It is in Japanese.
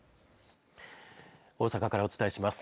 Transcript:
大阪からお伝えします。